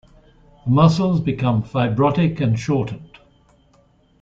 The muscles become fibrotic and shortened.